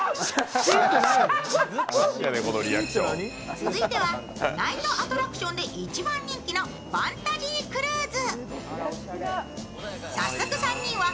続いてはナイトアトラクションで一番人気のファンタジークルーズ。